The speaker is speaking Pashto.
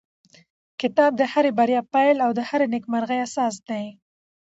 کتاب د هرې بریا پیل او د هرې نېکمرغۍ اساس دی.